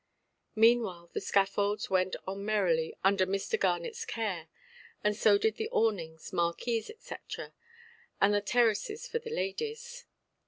Meanwhile, the scaffolds went on merrily under Mr. Garnetʼs care, and so did the awnings, marquees, &c., and the terraces for the ladies.